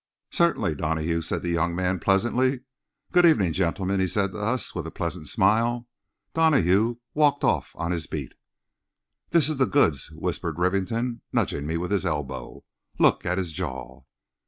"Certainly, Donahue," said the young man, pleasantly. "Good evening, gentlemen," he said to us, with a pleasant smile. Donahue walked off on his beat. "This is the goods," whispered Rivington, nudging me with his elbow. "Look at his jaw!"